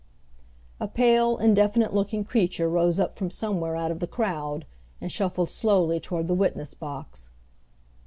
A pale, indefinite looking creature rose up from somewhere out of the crowd and shuffled slowly toward the witness box.